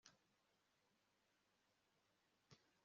ntuzabura kugeza mu kaga umuntu uge